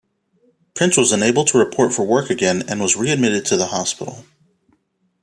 Prince was unable to report for work again and was re-admitted to the hospital.